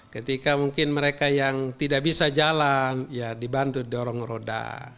ketika mungkin mereka yang tidak bisa jalan ya dibantu dorong roda